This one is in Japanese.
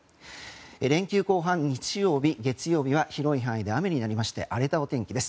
連休後半、日曜日月曜日は広い範囲で雨になりまして荒れたお天気です。